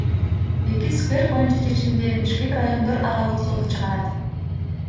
Эми сквер боюнча чечимди Бишкек райондор аралык соту чыгарат.